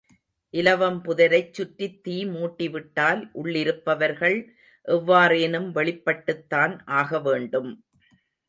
இலவம் புதரைச் சுற்றித் தீ மூட்டிவிட்டால், உள்ளிருப்பவர்கள் எவ்வாறேனும் வெளிப்பட்டுத்தான் ஆகவேண்டும்.